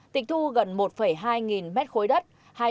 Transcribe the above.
tịch thu gần một hai nghìn mét khối đất